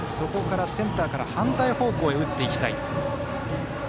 センターから反対方向へ打っていきたい。